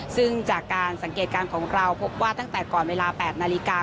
ซึ่งจากการสังเกตการณ์ของเราพบว่าตั้งแต่ก่อนเวลา๘นาฬิกา